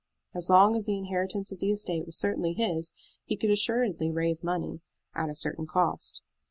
As long as the inheritance of the estate was certainly his, he could assuredly raise money, at a certain cost.